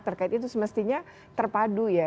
terkait itu semestinya terpadu ya